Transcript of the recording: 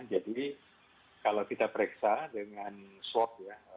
jadi kalau kita periksa dengan swab ya